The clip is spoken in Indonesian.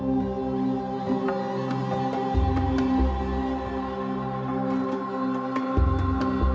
pinpoke ke emoran pria dia